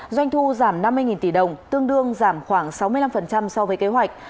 doanh thu giảm năm mươi tỷ đồng tương đương giảm khoảng sáu mươi năm so với kế hoạch